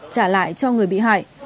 trả lại cho người bị hại